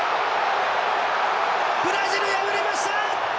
ブラジル敗れました！